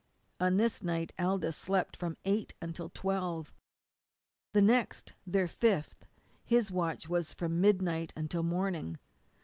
On this night Aldous slept from eight until twelve. The next, their fifth, his watch was from midnight until morning.